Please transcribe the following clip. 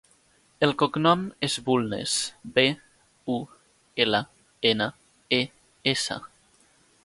El cognom és Bulnes: be, u, ela, ena, e, essa.